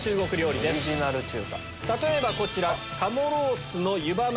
例えばこちら。